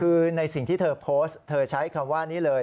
คือในสิ่งที่เธอโพสต์เธอใช้คำว่านี้เลย